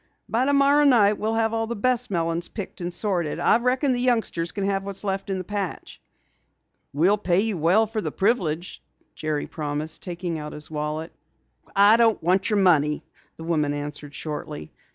"By tomorrow night we'll have all the best melons picked and sorted. I reckon the youngsters can have what's left in the patch." "We'll pay you well for the privilege," Jerry promised, taking out his wallet. "I don't want your money," the woman answered shortly.